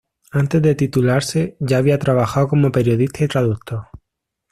Antes de titularse, ya había trabajado como periodista y traductor.